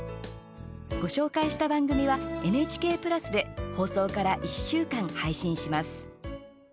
ご紹介した番組はＮＨＫプラスで放送から１週間、配信します。